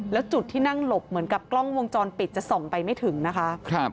แล้วจุดที่นั่งหลบเหมือนกับกล้องวงจรปิดจะส่องไปไม่ถึงนะคะ